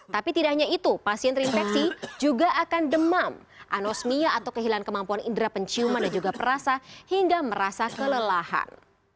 tapi tidak hanya itu pasien terinfeksi juga akan demam anosmia atau kehilangan kemampuan indera penciuman dan juga perasa hingga merasa kelelahan